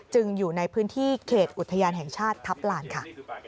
อยู่ในพื้นที่เขตอุทยานแห่งชาติทัพลานค่ะ